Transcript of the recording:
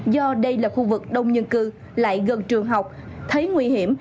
do đây là khu vực đông dân cư lại gần trường học thấy nguy hiểm